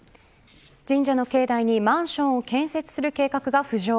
神社の境内にマンションを建設する計画が浮上。